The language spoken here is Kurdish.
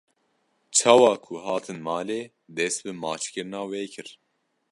Çawa ku hatin malê dest bi maçkirina wê kir.